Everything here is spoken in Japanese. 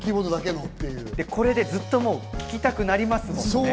これずっと聴きたくなりますもんね。